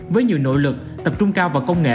với nhiều nội lực tập trung cao vào công nghệ